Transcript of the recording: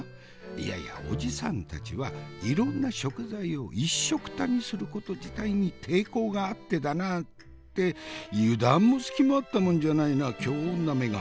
いやいやおじさんたちはいろんな食材をいっしょくたにすること自体に抵抗があってだなって油断も隙もあったもんじゃないな京女めが。